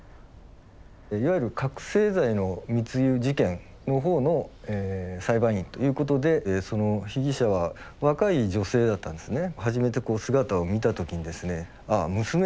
いわゆる覚醒剤の密輸事件の方の裁判員ということでその被疑者は若い女性だったんですね。